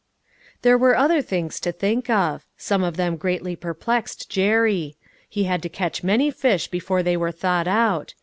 There were other things to think of; some of them greatly perplexed Jerry ; he had to catch many fish before they were thought out.